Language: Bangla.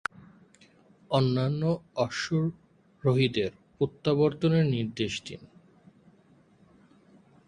অন্যান্য অশ্বারোহীদেরও প্রত্যাবর্তনের নির্দেশ দেন।